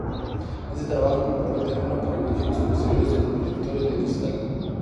Este trabajo preparó el terreno para invenciones posteriores de detectores de cristal.